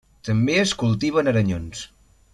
També es cultiven aranyons.